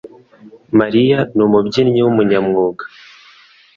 Mariya numubyinnyi wumu nyamwuga.